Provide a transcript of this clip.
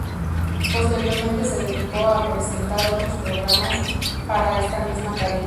Posteriormente se dedicó a a presentar otros programas para esta misma cadena.